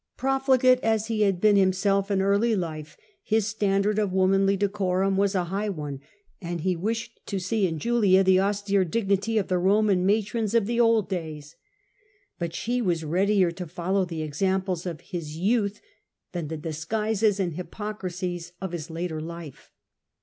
Profligate as he had been himself in early life, his stan dard of womanly decorum was a high one, and he wished to see in Julia the austere dignity of the Roman matrons of old days. But she was readier to follow the examples of his youth than the disguises and hypocrisies of his later life.